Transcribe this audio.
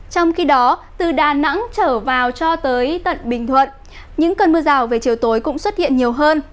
trong khi đó từ đà nẵng trở vào cho tới tận bình thuận những cơn mưa rào về chiều tối cũng xuất hiện nhiều hơn